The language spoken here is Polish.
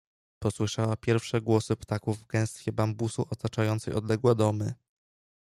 Posłyszała pierwsze głosy ptaków w gęstwie bambusu otaczającej odległe domy.